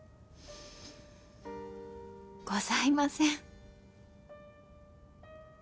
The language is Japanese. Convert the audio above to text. ございません。